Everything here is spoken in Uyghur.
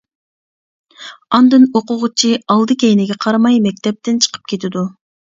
ئاندىن ئوقۇغۇچى ئالدى كەينىگە قارىماي مەكتەپتىن چىقىپ كېتىدۇ.